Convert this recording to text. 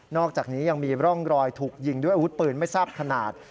อกจากนี้ยังมีร่องรอยถูกยิงด้วยอาวุธปืนไม่ทราบขนาด